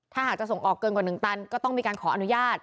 ถ้าหากจะส่งออกเกินกว่า๑ตันก็ต้องมีการขออนุญาต